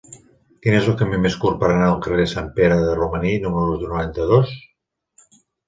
Quin és el camí més curt per anar al carrer de Sant Pere de Romaní número noranta-dos?